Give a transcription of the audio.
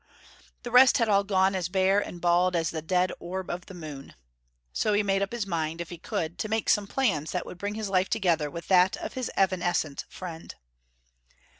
The rest had all gone as bare and bald as the dead orb of the moon. So he made up his mind, if he could, to make some plan that would bring his life together with that of his evanescent friend.